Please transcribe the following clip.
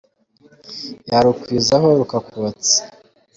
Yarugukwiza ho rukakotsa